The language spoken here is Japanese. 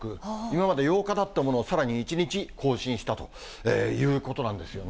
今まで８日だったものがさらに１日更新したということなんですよ